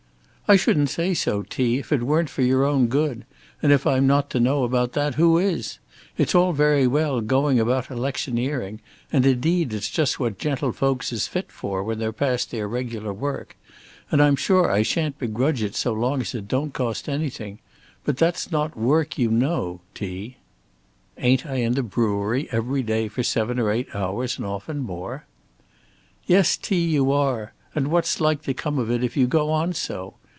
"I shouldn't say so, T., if it weren't for your own good, and if I'm not to know about that, who is? It's all very well going about electioneering; and indeed it's just what gentlefolks is fit for when they're past their regular work; And I'm sure I shan't begrudge it so long as it don't cost anything; but that's not work you know, T." "Ain't I in the brewery every day for seven or eight hours, and often more?" "Yes, T., you are; and what's like to come of it if you go on so?